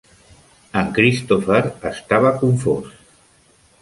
En Christopher estava confós.